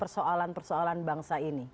persoalan persoalan bangsa ini